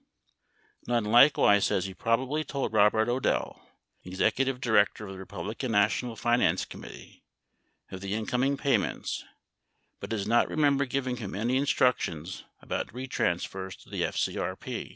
Nunn likewise says he probablv told Robert Odell, Executive Di rector of the Republican National Finance Committee, of the incom ing payments but does not remember giving him any instructions about retransfers to FCRP.